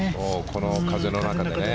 この風の中でね。